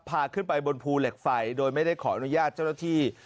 พาขึ้นไปบนภูเหล็กไฟโดยไม่ได้ขออนุญาตเจ้าหน้าที่